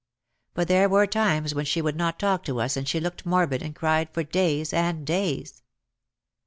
But there were times when she would not talk to us and she looked morbid and cried for days and days.